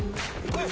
はい！